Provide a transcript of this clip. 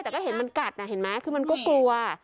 แต่ก็เห็นมันกัดนะเห็นไหมคือมันก็กลัว